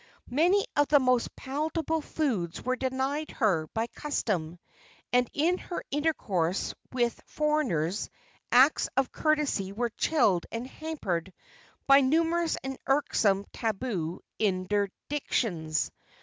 Many of the most palatable foods were denied her by custom, and in her intercourse with foreigners acts of courtesy were chilled and hampered by numerous and irksome tabu interdictions.